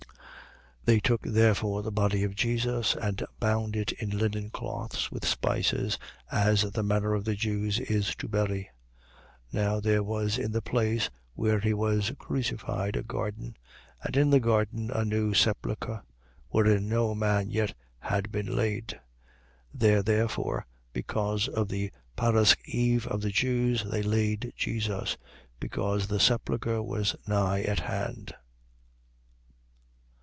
19:40. They took therefore the body of Jesus and bound it in linen cloths, with the spices, as the manner of the Jews is to bury. 19:41. Now there was in the place where he was crucified a garden: and in the garden a new sepulchre, wherein no man yet had been laid. 19:42. There, therefore, because of the parasceve of the Jews, they laid Jesus: because the sepulchre was nigh at hand.